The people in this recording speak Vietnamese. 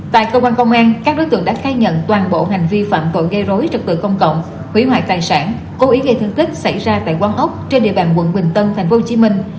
tại cơ quan công an các đối tượng đã khai nhận toàn bộ hành vi phạm tội gây rối trật tự công cộng hủy hoại tài sản cố ý gây thương tích xảy ra tại quán ốc trên địa bàn quận bình tân thành phố hồ chí minh